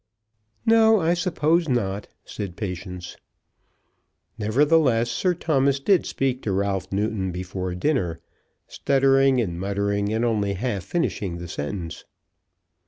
"No; I suppose not," said Patience. Nevertheless, Sir Thomas did speak to Ralph Newton before dinner, stuttering and muttering, and only half finishing his sentence.